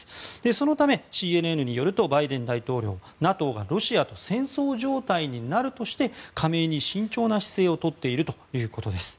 そのため、ＣＮＮによるとバイデン大統領ＮＡＴＯがロシアと戦争状態になるとして加盟に慎重な姿勢を取っているということです。